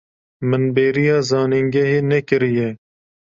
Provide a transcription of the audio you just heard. Min bêriya zanîngehê nekiriye.